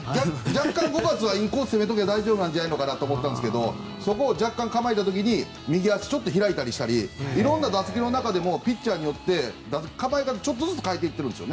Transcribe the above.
若干、５月はインコースを攻められた時は大丈夫かなと思ったんですがそこを若干構えた時に右足を開いたりしたりいろいろ打席の中でもピッチャーによって構え方を変えていっているんです。